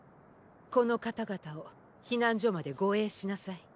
この方々を避難所まで護衛しなさい。